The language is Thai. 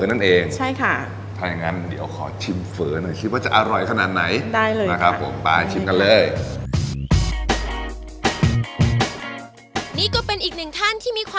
อะไรอย่างนี้